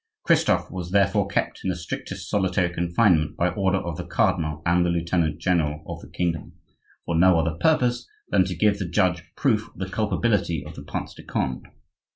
Christophe was therefore kept in the strictest solitary confinement by order of the cardinal and the lieutenant general of the kingdom, for no other purpose than to give the judges proof of the culpability of the Prince de Conde.